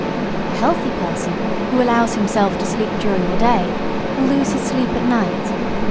A healthy person who allows himself to sleep during the day will lose his sleep at night.